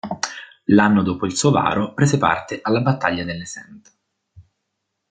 L'anno dopo il suo varo prese parte alla Battaglia delle Saintes.